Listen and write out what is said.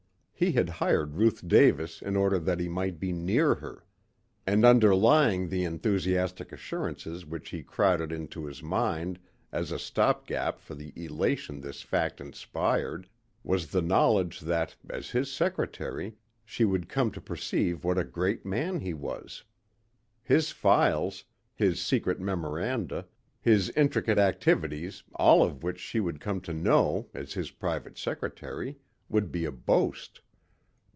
He had hired Ruth Davis in order that he might be near her. And underlying the enthusiastic assurances which he crowded into his mind as a stop gap for the elation this fact inspired, was the knowledge that, as his secretary, she would come to perceive what a great man he was. His files, his secret memoranda, his intricate activities all of which she would come to know as his private secretary would be a boast.